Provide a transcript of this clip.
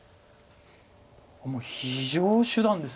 もう非常手段です。